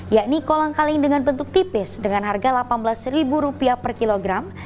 yakni kolang kaling dengan bentuk tipis dengan harga rp delapan belas per kilogram